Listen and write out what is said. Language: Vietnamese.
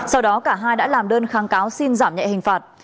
sau đó cả hai đã làm đơn kháng cáo xin giảm nhẹ hình phạt